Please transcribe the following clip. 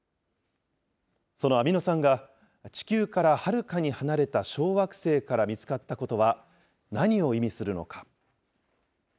そのアミノ酸が、地球からはるかに離れた小惑星から見つかったことは、何を意味するのか。